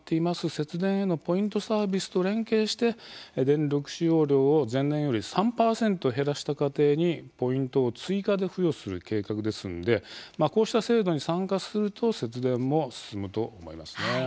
節電へのポイントサービスと連携して電力使用量を前年より３％減らした家庭にポイントを追加で付与する計画ですのでまあこうした制度に参加すると節電も進むと思いますね。